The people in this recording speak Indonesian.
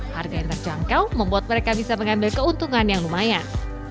harga yang terjangkau membuat mereka bisa mengambil keuntungan yang lumayan